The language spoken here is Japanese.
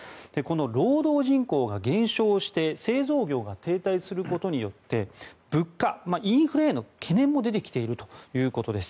労働人口が減少して製造業が停滞することによって物価、インフレへの懸念も出てきているということです。